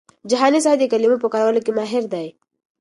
جهاني صاحب د کلمو په کارولو کي ماهر دی.